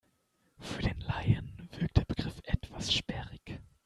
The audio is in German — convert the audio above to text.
Für den Laien wirkt der Begriff etwas sperrig.